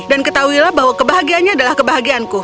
dan ketahuilah bahwa kebahagiaannya adalah kebahagianku